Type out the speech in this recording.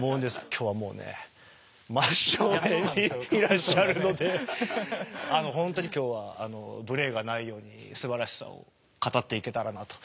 今日はもうね真っ正面にいらっしゃるのであのほんとに今日は無礼がないようにすばらしさを語っていけたらなと。